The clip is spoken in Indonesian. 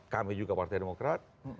kami juga partai demokrat